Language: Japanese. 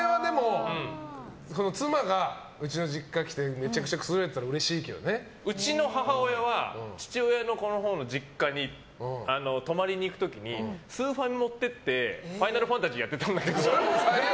妻がうちの実家に来てめちゃくちゃくつろいでいたらうちの母親は父親のほうの実家に泊まりに行く時にスーファミを持って行って「ファイナルファンタジー」やってたんだけど。